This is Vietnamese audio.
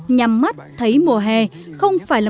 nhắm mắt thấy mùa hè không phải là